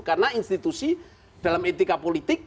karena institusi dalam etika politik